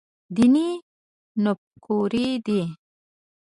دیني نوفکري دی.